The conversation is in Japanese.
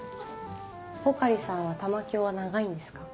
穂刈さんは玉響は長いんですか？